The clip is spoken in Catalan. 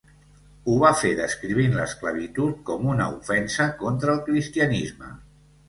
Ho va fer descrivint l'esclavitud com una ofensa contra el Cristianisme.